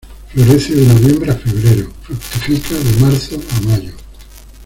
Florece de noviembre a febrero; fructifica de marzo a mayo.